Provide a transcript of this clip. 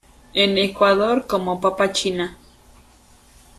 En Ecuador como papa china